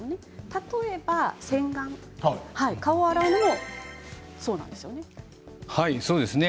例えば洗顔、顔を洗うのもそうなんですよね。